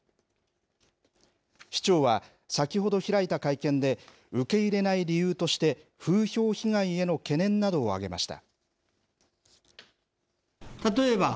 市長は先ほど開いた会見で、受け入れない理由として、風評被害への懸念などを挙げました。